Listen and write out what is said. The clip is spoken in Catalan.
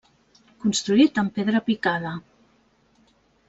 Construït amb pedra picada.